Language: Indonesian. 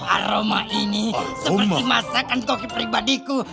aroma ini seperti masakan koki pribadiku